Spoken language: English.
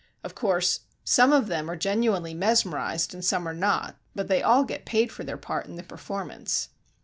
Of course, some of them are genuinely mesmerized and some are not, but they all get paid for their part in the performance."